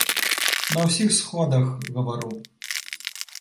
На ўсіх сходах гавару.